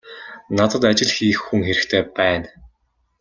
Надад ажил хийх хүн хэрэгтэй байна.